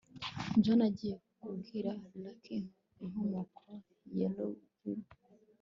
john agiye kubwira lucy inkomoko ya rugby